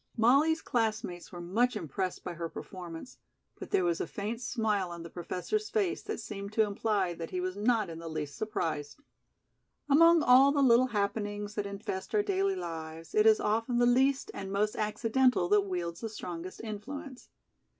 Molly's classmates were much impressed by her performance, but there was a faint smile on the Professor's face that seemed to imply that he was not in the least surprised. Among all the little happenings that infest our daily lives it is often the least and most accidental that wields the strongest influence.